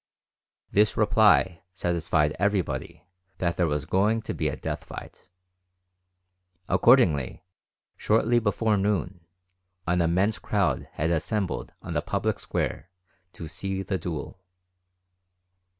This reply satisfied everybody that there was going to be a death fight. Accordingly, shortly before noon, an immense crowd had assembled on the public square to see the duel.